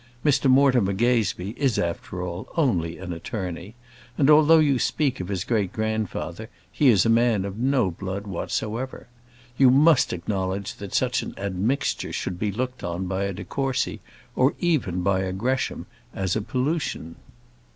Mr Mortimer Gazebee is, after all, only an attorney; and, although you speak of his great grandfather, he is a man of no blood whatsoever. You must acknowledge that such an admixture should be looked on by a de Courcy, or even by a Gresham, as a pollution.